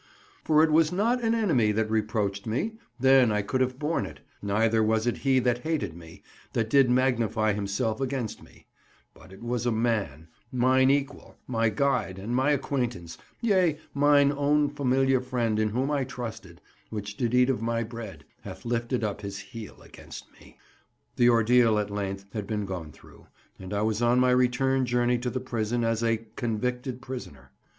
"For it was not an enemy that reproached me, then I could have borne it—neither was it he that hated me, that did magnify himself against me; but it was a man, mine equal, my guide, and my acquaintance—yea, mine own familiar friend in whom I trusted, which did eat of my bread—hath lifted up his heel against me." The ordeal at length had been gone through, and I was on my return journey to the prison as a "convicted prisoner."